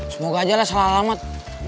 semoga aja lah selamat